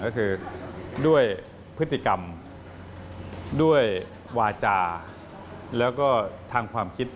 ก็คือด้วยพฤติกรรมด้วยวาจาแล้วก็ทางความคิด